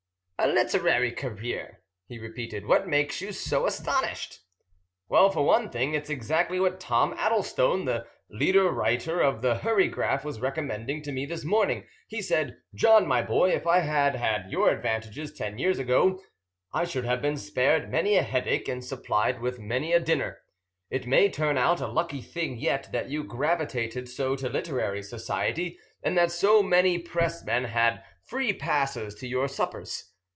"A literary career," he repeated. "What makes you so astonished?" "Well, for one thing it's exactly what Tom Addlestone, the leader writer of the Hurrygraph, was recommending to me this morning. He said: 'John, my boy, if I had had your advantages ten years ago, I should have been spared many a headache and supplied with many a dinner. It may turn out a lucky thing yet that you gravitated so to literary society, and that so many press men had free passes to your suppers.